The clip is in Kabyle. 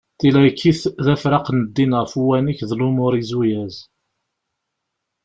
Tilaykit d afraq n ddin ɣef uwanek d lumuṛ izuyaz.